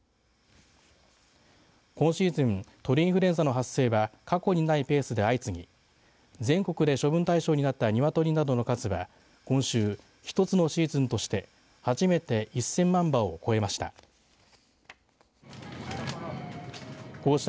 今シーズン鳥インフルエンザの発生は過去にないペースで相次ぎ全国で処分対象になった鶏などの数は、今週１つのシーズンとして初めて１０００万羽を超えました。